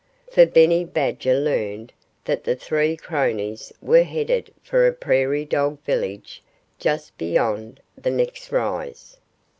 For Benny Badger learned that the three cronies were headed for a prairie dog village just beyond the next rise.